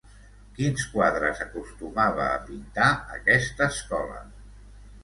Quins quadres acostumava a pintar aquesta escola?